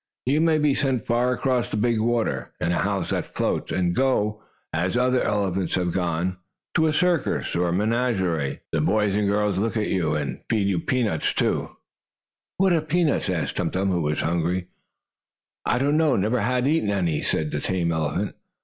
"You may be sent far across the big water, in a house that floats, and go, as other elephants have gone, to a circus, or menagerie, for the boys and girls to look at, and feed peanuts to." "What are peanuts?" asked Tum Tum, who was hungry. "I do not know, never having eaten any," said the tame elephant.